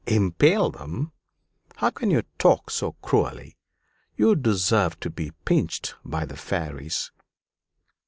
"Impale them! How can you talk so cruelly? You deserve to be pinched by the fairies."